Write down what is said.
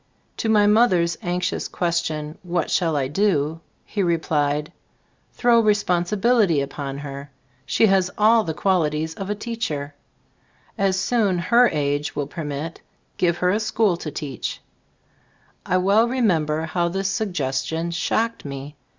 To my mother's anxious question, "what shall I do ?" he replied, "Throw responsibil ity upon her. She has all the quali ties of a teacher. As soon 2£ her age will permit, give her a school to teach." I well remember how this suggestion shocked me.